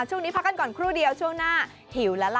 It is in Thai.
ช่วงนี้พักกันก่อนครู่เดียวช่วงหน้าหิวแล้วล่ะ